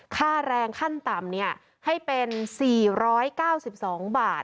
ค่าแรงขั้นต่ำให้เป็น๔๙๒บาท